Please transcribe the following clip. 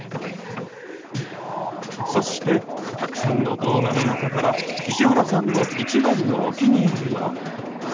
そしてたくさんの動画の中から石原さんの一番のお気に入りは？